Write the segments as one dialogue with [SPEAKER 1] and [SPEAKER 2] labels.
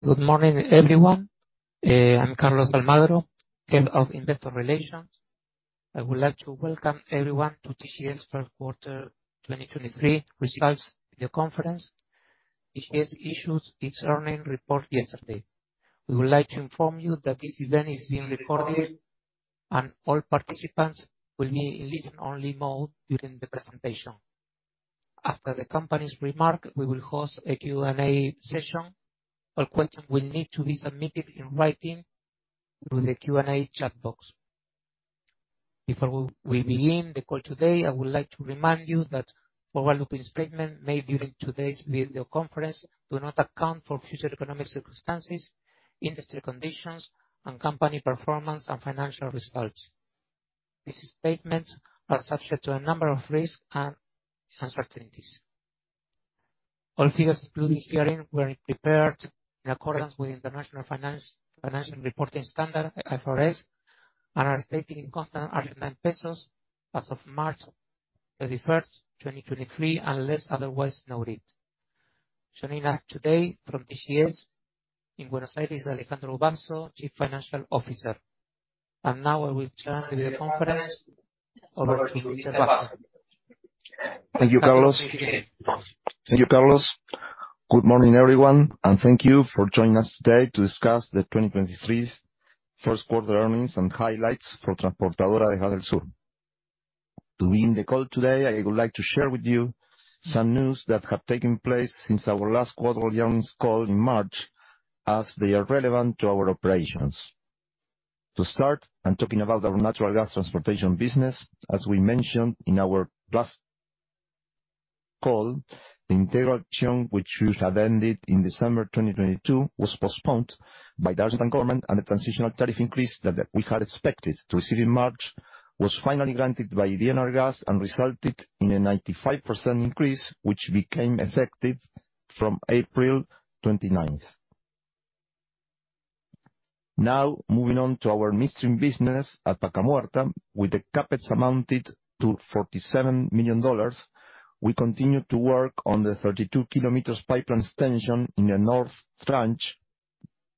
[SPEAKER 1] Good morning, everyone. I'm Carlos Almagro, Head of Investor Relations. I would like to welcome everyone to TGS Q1 2023 Results Video Conference. TGS issues its earning report yesterday. We would like to inform you that this event is being recorded, and all participants will be in listen-only mode during the presentation. After the company's remark, we will host a Q&A session. All question will need to be submitted in writing through the Q&A chat box. Before we begin the call today, I would like to remind you that forward-looking statement made during today's video conference do not account for future economic circumstances, industry conditions, and company performance and financial results. These statements are subject to a number of risks and uncertainties. All figures included herein were prepared in accordance with International Financial Reporting Standard, IFRS, and are stated in constant Argentine pesos as of March 31st, 2023, unless otherwise noted. Joining us today from TGS in Buenos Aires, Alejandro Basso, Chief Financial Officer. Now I will turn the conference over to Mr. Basso.
[SPEAKER 2] Thank you, Carlos. Good morning, everyone, thank you for joining us today to discuss the 2023's Q1 earnings and highlights for Transportadora de Gas del Sur. To begin the call today, I would like to share with you some news that have taken place since our last quarterly earnings call in March, as they are relevant to our operations. To start, I'm talking about our natural gas transportation business. As we mentioned in our last call, the integration, which should have ended in December 2022, was postponed by the Argentine government, the transitional tariff increase that we had expected to receive in March was finally granted by Enargas and resulted in a 95% increase, which became effective from April 29th. Moving on to our midstream business at Vaca Muerta. With the CapEx amounted to $47 million, we continue to work on the 32 km pipeline extension in the north tranche,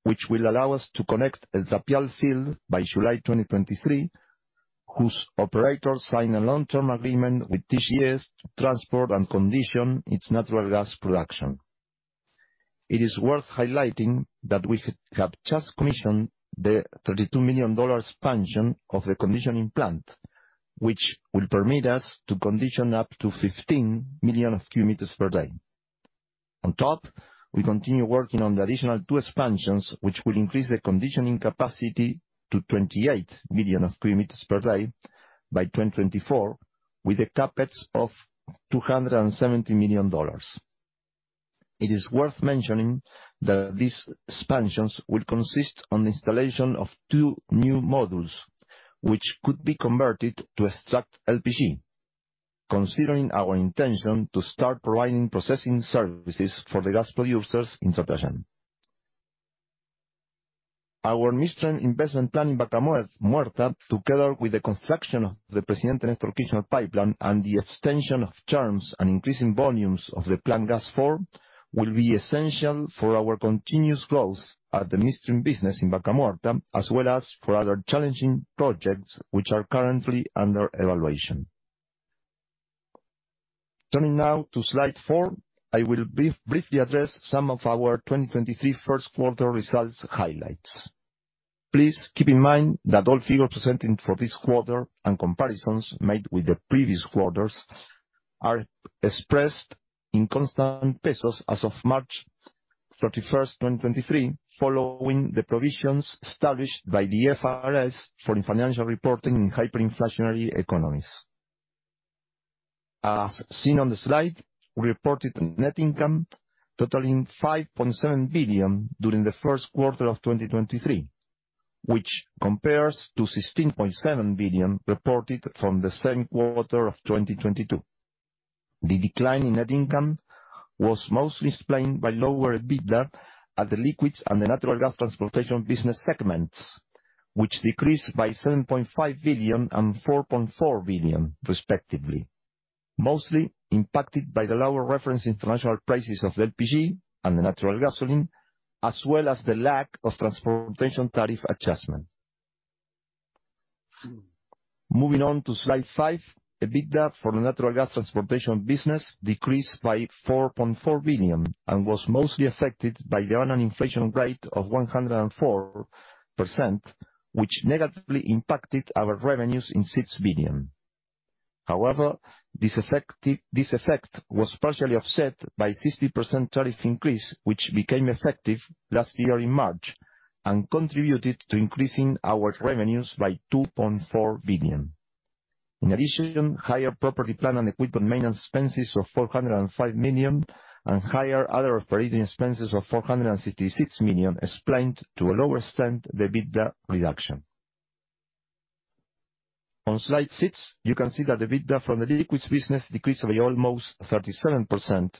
[SPEAKER 2] which will allow us to connect El Trapial field by July 2023, whose operators sign a long-term agreement with TGS to transport and condition its natural gas production. It is worth highlighting that we have just commissioned the $32 million expansion of the conditioning plant, which will permit us to condition up to 15 million of cu m per day. On top, we continue working on the additional two expansions, which will increase the conditioning capacity to 28 million of cu m per day by 2024, with a CapEx of $270 million. It is worth mentioning that these expansions will consist on installation of two new modules, which could be converted to extract LPG, considering our intention to start providing processing services for the gas producers in Tratayén. Our midstream investment plan in Vaca Muerta, together with the construction of the Presidente Néstor Kirchner pipeline and the extension of terms and increasing volumes of the Plan Gas.Ar 4, will be essential for our continuous growth at the midstream business in Vaca Muerta, as well as for other challenging projects which are currently under evaluation. Turning now to slide four, I will briefly address some of our 2023 Q1 results highlights. Please keep in mind that all figures presented for this quarter and comparisons made with the previous quarters are expressed in constant pesos as of March 31st, 2023, following the provisions established by the IFRS for financial reporting in hyperinflationary economies. As seen on the slide, we reported net income totaling 5.7 billion during the Q1 of 2023, which compares to 16.7 billion reported from the same quarter of 2022. The decline in net income was mostly explained by lower EBITDA at the liquids and the natural gas transportation business segments, which decreased by 7.5 billion and 4.4 billion respectively. Mostly impacted by the lower reference international prices of LPG and the natural gasoline, as well as the lack of transportation tariff adjustment. Moving on to slide 5, EBITDA for the natural gas transportation business decreased by 4.4 billion and was mostly affected by the annual inflation rate of 104%, which negatively impacted our revenues in 6 billion. This effect was partially offset by 60% tariff increase, which became effective last year in March, and contributed to increasing our revenues by 2.4 billion. Higher property plant and equipment maintenance expenses of 405 million and higher other operating expenses of 466 million explained to a lower extent the EBITDA reduction. On slide 6, you can see that the EBITDA from the liquids business decreased by almost 37%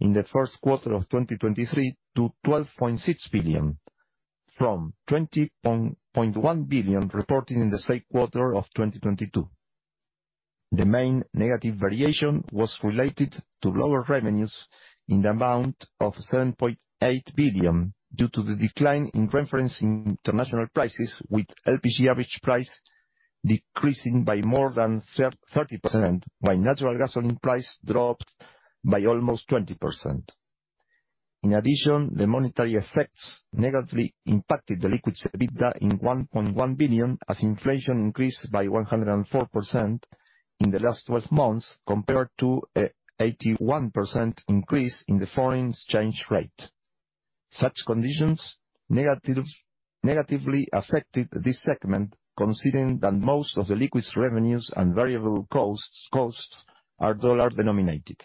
[SPEAKER 2] in the Q1 of 2023 to 12.6 billion from 20.1 billion reported in the same quarter of 2022. The main negative variation was related to lower revenues in the amount of 7.8 billion due to the decline in reference international prices, with LPG average price decreasing by more than 30%, while natural gasoline price dropped by almost 20%. In addition, the monetary effects negatively impacted the liquids EBITDA in 1.1 billion as inflation increased by 104% in the last 12 months compared to 81% increase in the foreign exchange rate. Such conditions negatively affected this segment, considering that most of the liquids revenues and variable costs are dollar-denominated.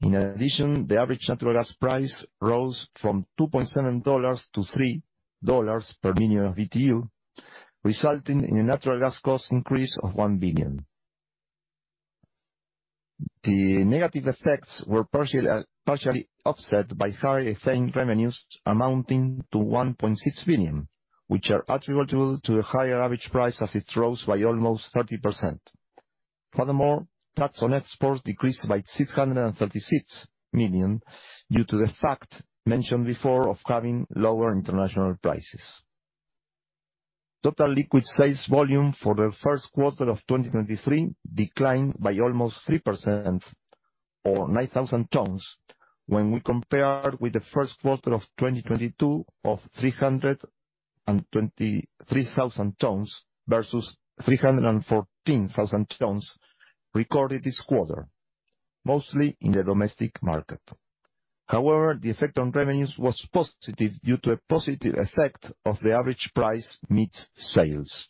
[SPEAKER 2] In addition, the average natural gas price rose from $2.7 to $3 per million BTU, resulting in a natural gas cost increase of $1 billion. The negative effects were partially offset by higher ethane revenues amounting to $1.6 billion, which are attributable to the higher average price as it rose by almost 30%. Furthermore, tax on exports decreased by $636 million due to the fact mentioned before of having lower international prices. Total liquid sales volume for the Q1 of 2023 declined by almost 3% or 9,000 tons when we compare with the Q1 of 2022 of 323,000 tons versus 314,000 tons recorded this quarter, mostly in the domestic market. The effect on revenues was positive due to a positive effect of the average price mix sales.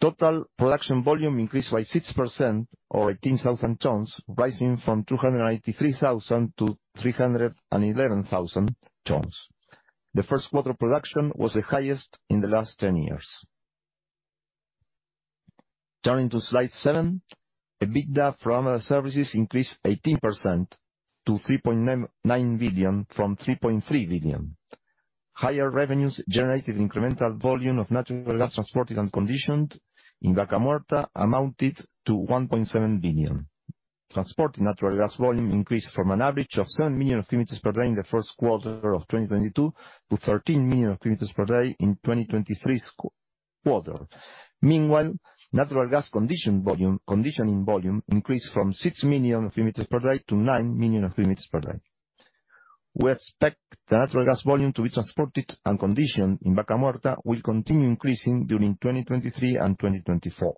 [SPEAKER 2] Total production volume increased by 6% or 18,000 tons, rising from 293,000 to 311,000 tons. The Q1 production was the highest in the last 10 years. Turning to slide 7, EBITDA from other services increased 18% to $3.9 billion from $3.3 billion. Higher revenues generated incremental volume of natural gas transported and conditioned in Vaca Muerta amounted to $1.7 billion. Transported natural gas volume increased from an average of 7 million of cubic meters per day in the Q1 of 2022 to 13 million of cubic meters per day in 2023's quarter. Meanwhile, natural gas conditioning volume increased from 6 million of cu M per day to 9 million of cu m per day. We expect the natural gas volume to be transported and conditioned in Vaca Muerta will continue increasing during 2023 and 2024.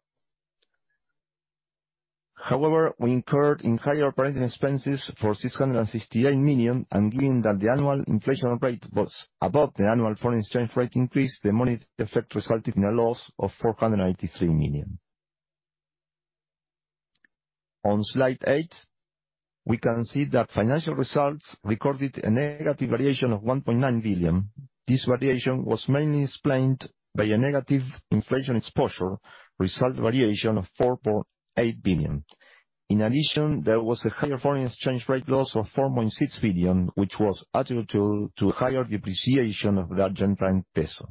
[SPEAKER 2] We incurred in higher operating expenses for 668 million, and given that the annual inflation rate was above the annual foreign exchange rate increase, the money effect resulted in a loss of 493 million. On slide 8, we can see that financial results recorded a negative variation of 1.9 billion. This variation was mainly explained by a negative inflation exposure result variation of 4.8 billion. There was a higher foreign exchange rate loss of 4.6 billion, which was attributable to higher depreciation of the Argentine peso.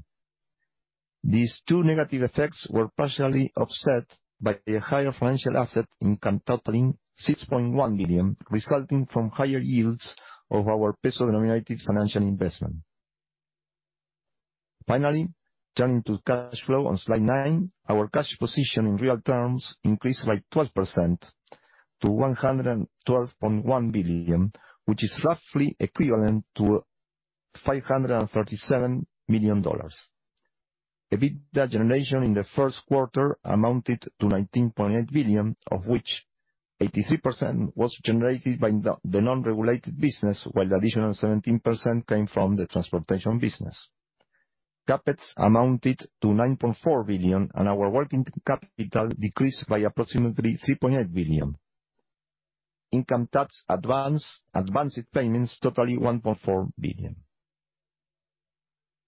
[SPEAKER 2] These two negative effects were partially offset by a higher financial asset income totaling 6.1 billion, resulting from higher yields of our peso-denominated financial investment. Turning to cash flow on slide nine, our cash position in real terms increased by 12% to 112.1 billion, which is roughly equivalent to $537 million. EBITDA generation in the Q1 amounted to 19.8 billion, of which 83% was generated by the non-regulated business, while the additional 17% came from the transportation business. CapEx amounted to 9.4 billion, and our working capital decreased by approximately 3.8 billion. Income tax advanced payments totaling 1.4 billion.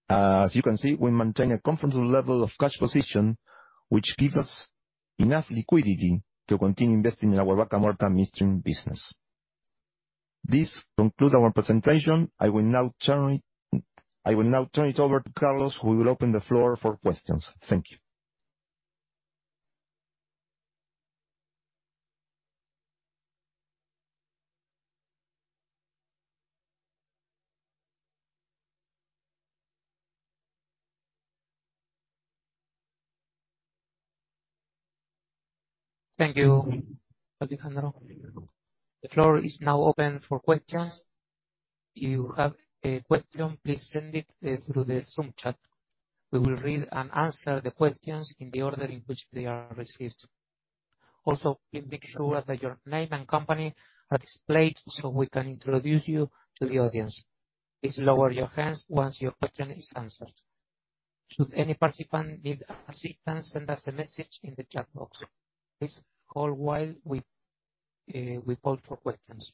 [SPEAKER 2] As you can see, we maintain a comfortable level of cash position, which gives us enough liquidity to continue investing in our Vaca Muerta midstream business. This concludes our presentation. I will now turn it over to Carlos, who will open the floor for questions. Thank you.
[SPEAKER 1] Thank you, Alejandro. The floor is now open for questions. If you have a question, please send it through the Zoom chat. We will read and answer the questions in the order in which they are received. Please make sure that your name and company are displayed so we can introduce you to the audience. Please lower your hands once your question is answered. Should any participant need assistance, send us a message in the chat box. Please hold while we call for questions.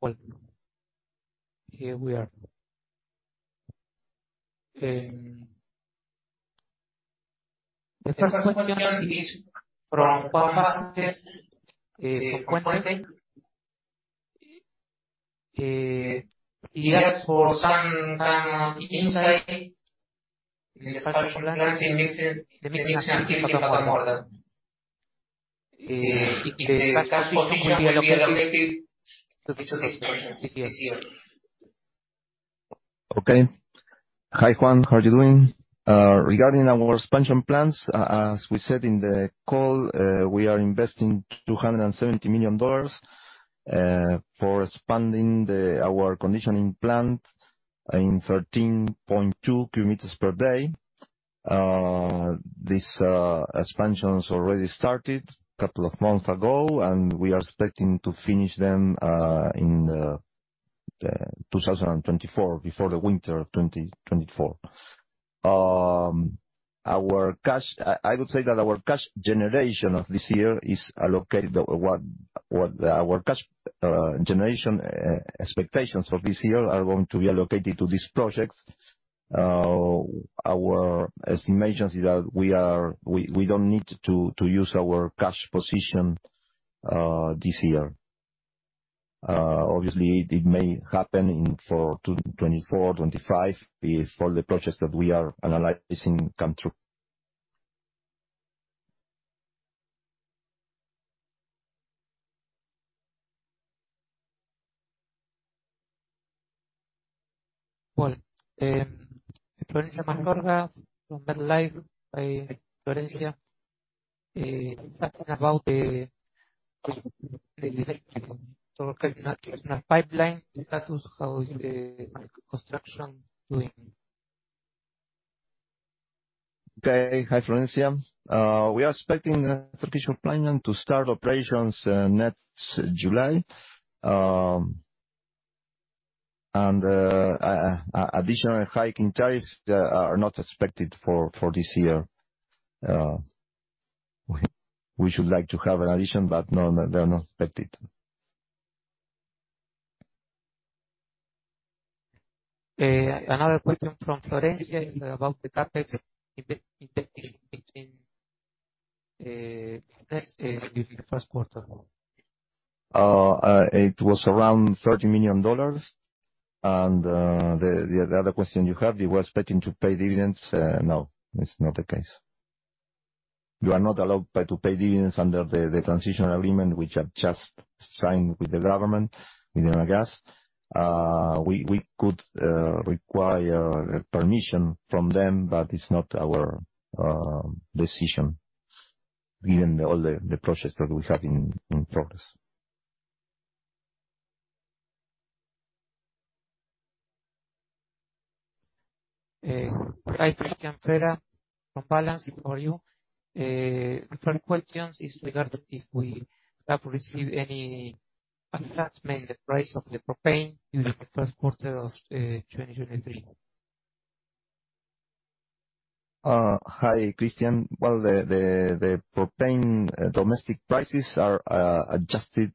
[SPEAKER 1] Well, here we are. The first question is from [Juan Sanchez from 4_50]. He asks for some insight in expansion plans in Mexico. If the cash position will be allocated to these projects this year.
[SPEAKER 2] Okay. Hi, Juan. How are you doing? Regarding our expansion plans, as we said in the call, we are investing $270 million for expanding our conditioning plant in 13.2 cu m per day. This expansion's already started a couple of months ago, and we are expecting to finish them in 2024, before the winter of 2024. I would say that our cash generation expectations for this year are going to be allocated to these projects. Our estimation is that we don't need to use our cash position this year. Obviously it may happen for 2024, 2025 if all the projects that we are analyzing come through.
[SPEAKER 1] [Florencia Manzorro from Vertele]. Florencia is asking about the electric cable. Kind of a pipeline, the status of how is the construction doing?
[SPEAKER 2] Okay. Hi, Florencia. We are expecting the electric pipeline to start operations, next July. Additional hike in tariffs, are not expected for this year. We should like to have an addition, but no, they're not expected.
[SPEAKER 1] Another question from Florencia is about the CapEx in between, next, during the Q1.
[SPEAKER 2] It was around $30 million. The other question you have, we're expecting to pay dividends? No, it's not the case. We are not allowed to pay dividends under the transitional agreement which I've just signed with the government, with Enargas. We could require permission from them, but it's not our decision, given all the projects that we have in progress.
[SPEAKER 1] Hi, Cristian Fera from Balanz before you. Different questions is regard of if we have received any advancement in the price of the propane during the Q1 of 2023.
[SPEAKER 2] Hi, Cristian. Well, the propane domestic prices are adjusted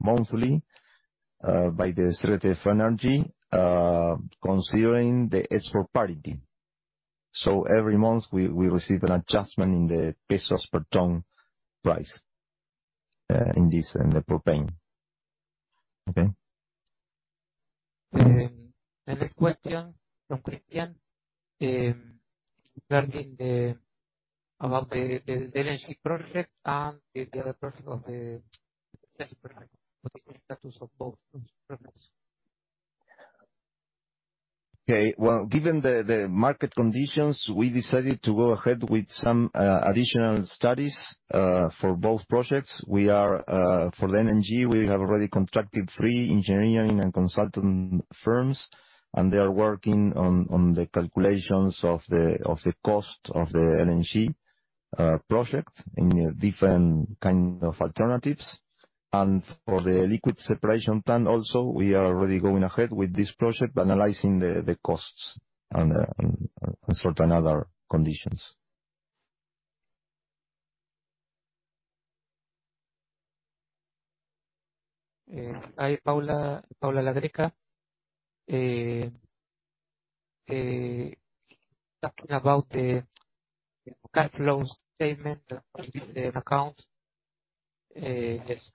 [SPEAKER 2] monthly by the Secretary of Energy, considering the export parity. Every month we receive an adjustment in the pesos per ton price in the propane. Okay?
[SPEAKER 1] The next question from Cristian about the LNG project and the other project of the gas pipeline. What is the status of both projects?
[SPEAKER 2] Okay. Well, given the market conditions, we decided to go ahead with some additional studies for both projects. For LNG, we have already contracted three engineering and consulting firms, and they are working on the calculations of the cost of the LNG project in different kind of alternatives. For the liquid separation plan also, we are already going ahead with this project, analyzing the costs and certain other conditions.
[SPEAKER 1] Hi, Paula. Paula [Ladreca]. Talking about the cash flows statement, the account.
[SPEAKER 2] Yes.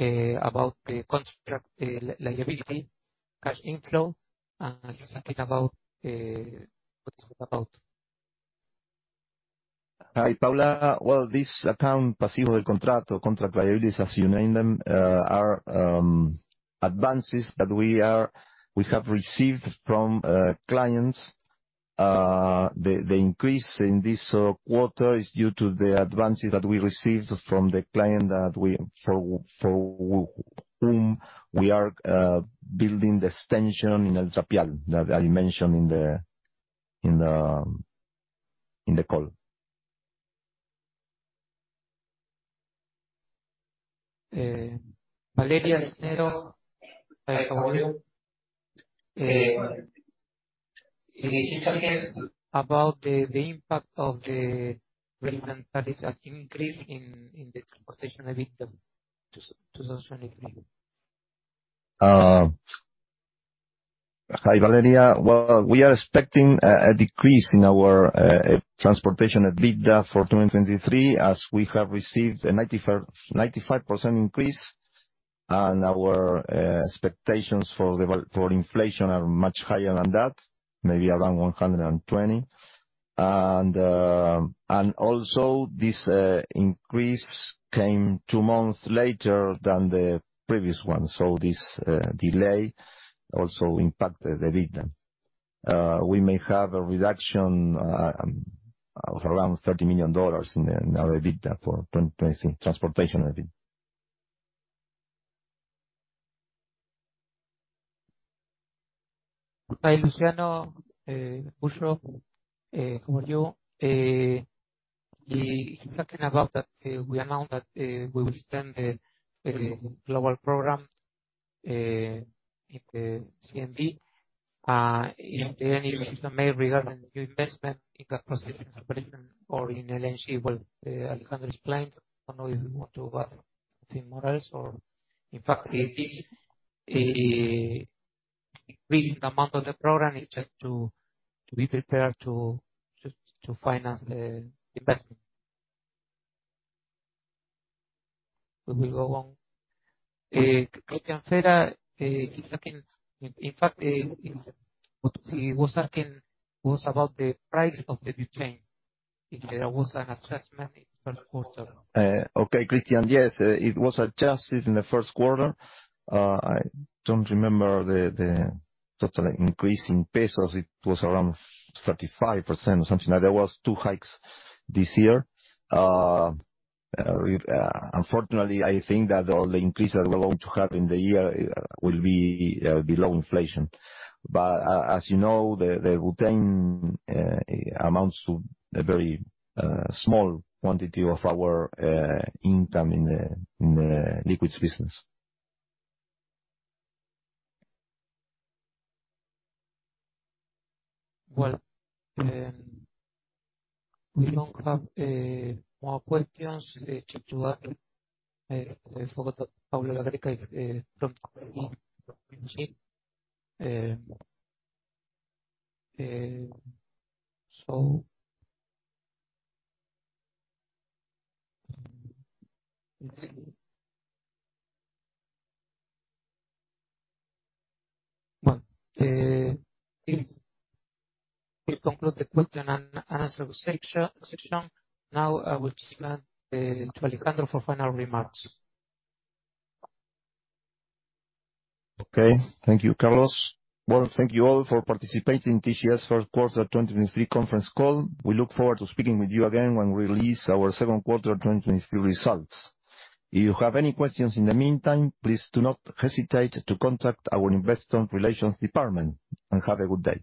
[SPEAKER 1] About the contract liability, cash inflow. Just thinking about what is it about?
[SPEAKER 2] Hi, Paula. Well, this account, pasivo de contrato, contract liabilities, as you name them, are advances that we are, we have received from clients. The increase in this quarter is due to the advances that we received from the client for whom we are building the extension in El Trapial, that I mentioned in the call.
[SPEAKER 1] Valeria Snero. Hi, how are you? He's talking about the impact of the rain that is an increase in the transportation EBITDA 2003.
[SPEAKER 2] Hi, Valeria. Well, we are expecting a decrease in our transportation EBITDA for 2023, as we have received a 95% increase, and our expectations for inflation are much higher than that, maybe around 120%. Also, this increase came two months later than the previous one. This delay also impacted the EBITDA. We may have a reduction of around $30 million in our EBITDA for 2020, transportation, I think.
[SPEAKER 1] Hi, Luciano [Bushro]. How are you? He's talking about that, we announced that, we will extend the global program in the CNV. If there are any decisions made regarding new investment in gas processing and separation or in LNG? Alejandro explained. I don't know if you want to add something more else or. In fact, this, increasing the amount of the program is just to be prepared to just to finance the investment. We go on. Cristian Fera is asking, in fact, what he was asking was about the price of the butane. If there was an adjustment in first quarter.
[SPEAKER 2] Okay, Cristian. Yes. It was adjusted in the first quarter. I don't remember the total increase in pesos. It was around 35% or something. There was two hikes this year. Unfortunately, I think that all the increases that we're going to have in the year will be below inflation. As you know, the butane amounts to a very small quantity of our income in the liquids business.
[SPEAKER 1] We don't have more questions. It's just to add, I forgot Paula [Ladreca], from so. Let's see. This concludes the question and answer section. Now I will just let to Alejandro for final remarks.
[SPEAKER 2] Okay. Thank you, Carlos. Well, thank you all for participating in TGS Q1 2023 Conference Call. We look forward to speaking with you again when we release our Q2 2023 Results. If you have any questions in the meantime, please do not hesitate to contact our investor relations department. Have a good day.